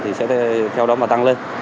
thì sẽ theo đó mà tăng lên